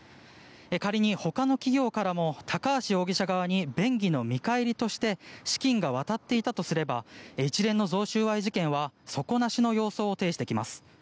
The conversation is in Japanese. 仮に他の企業からも高橋容疑者側に便宜の見返りとして資金が渡っていたとすれば一連の贈収賄事件は底なしの様相を呈してきます。